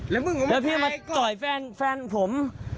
แล้วพี่มาต่อยแฟนผม